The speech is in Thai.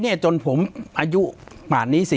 ปากกับภาคภูมิ